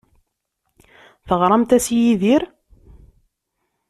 Teɣramt-as i Yidir?